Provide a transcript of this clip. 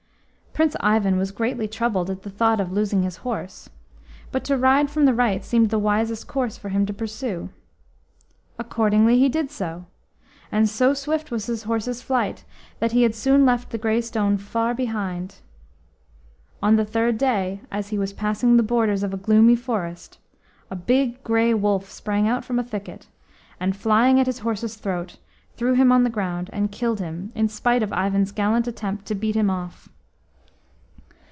Prince Ivan was greatly troubled at the thought of losing his horse, but to ride from the right seemed the wisest course for him to pursue. Accordingly he did so, and so swift was his horse's flight that he had soon left the grey stone far behind. On the third day, as he was passing the borders of a gloomy forest, a big Grey Wolf sprang out from a thicket, and, flying at his horse's throat, threw him on the ground and killed him in spite of Ivan's gallant attempt to beat him off.